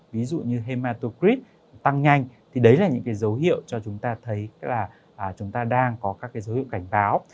ví dụ như hematogrip tăng nhanh thì đấy là những cái dấu hiệu cho chúng ta thấy là chúng ta đang có các cái dấu hiệu cảnh báo